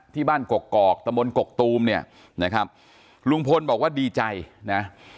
ที่บ้านกกอกตะมนต์กกตูมเนี่ยนะครับลุงพลบอกว่าดีใจนะ